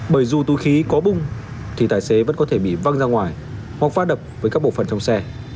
bởi dù tui khí có bung thì tài xế vẫn có thể bị văng ra ngoài hoặc phá đập với các bộ phần trong xe